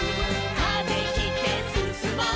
「風切ってすすもう」